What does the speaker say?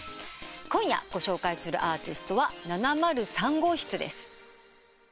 今夜ご紹介するアーティストは７０３号室です。